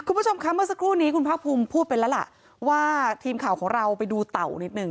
คุณผู้ชมคะเมื่อสักครู่นี้คุณภาคภูมิพูดไปแล้วล่ะว่าทีมข่าวของเราไปดูเต่านิดหนึ่ง